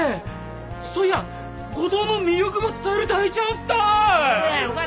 そいや五島の魅力ば伝える大チャンスたい！